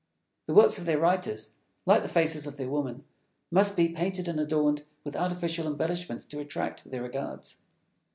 The works of their writers, like the faces of their women, must be painted and adorned with artificial embellishments to attract their regards.